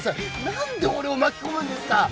なんで俺を巻き込むんですか！？